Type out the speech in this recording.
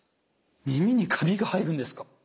耳にカビが生えるんですか？